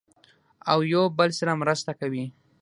او یو بل سره مرسته کوي.